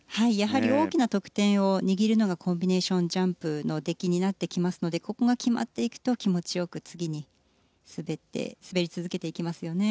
大きな得点を握るのがコンビネーションジャンプの出来になってきますのでここが決まっていくと気持ち良く次に滑り続けていけますよね。